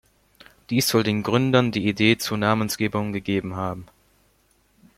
Dies soll den Gründern die Idee zur Namensgebung gegeben haben.